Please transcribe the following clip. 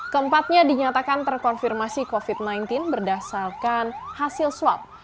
keempatnya dinyatakan terkonfirmasi covid sembilan belas berdasarkan hasil swab